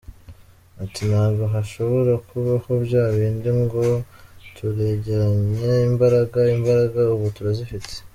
Ati, "Ntabwo hashobora kubaho bya bindi ngo turegeranya imbaraga, imbaraga ubu turazifite.